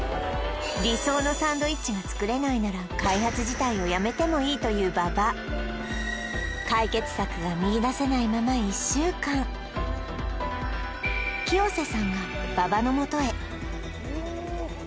理想のサンドイッチが作れないなら開発自体をやめてもいいという馬場解決策が見いだせないまま１週間一体失礼します